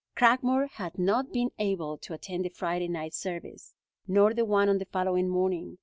Cragmore had not been able to attend the Friday night service, nor the one on the following morning.